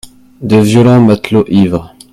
de violents matelots ivres.